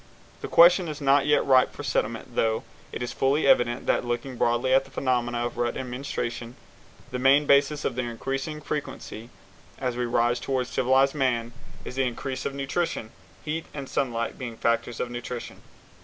The question is not yet ripe for settlement, though it is fully evident that, looking broadly at the phenomena of rut and menstruation, the main basis of their increasing frequency as we rise toward civilized man is increase of nutrition, heat and sunlight being factors of nutrition.